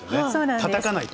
たたかないと。